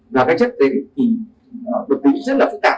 và các chất tính thực tính rất là phức tạp